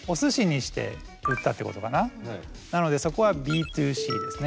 なのでそこはＢ２Ｃですね。